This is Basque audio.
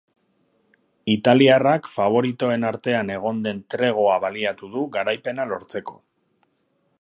Italiarrak faboritoen artean egon den tregoa baliatu du garaipena lortzeko.